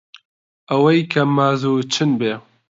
ئەوەی کە مازوو چن بێ